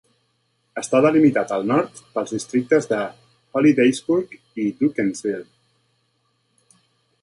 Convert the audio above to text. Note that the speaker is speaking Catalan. Està delimitat al nord pels districtes de Hollidaysburg i Duncansville.